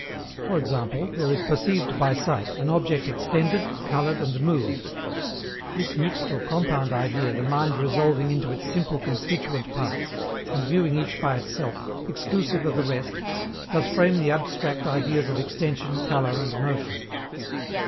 For example, there is perceived by sight an object extended, coloured, and moved: this mixed or compound idea the mind resolving into its simple, constituent parts, and viewing each by itself, exclusive of the rest, does frame the abstract ideas of extension, colour, and motion.